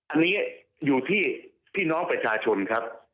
อันนี้อยู่ที่พี่น้องประชาชนครับ